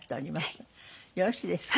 よろしいですか？